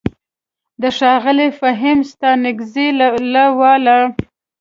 د ښاغلي فهيم ستانکزي له واله: